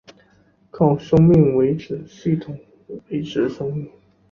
靠生命维持系统维持生命。